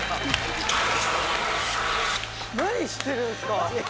何してるんすか！